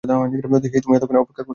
হেই, তুমি এতক্ষণ অপেক্ষা করছিলে?